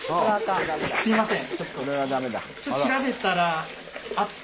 すいません。